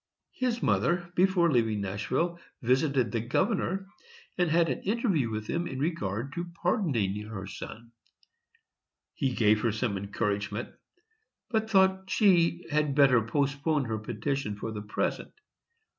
His mother, before leaving Nashville, visited the governor, and had an interview with him in regard to pardoning her son. He gave her some encouragement, but thought she had better postpone her petition for the present.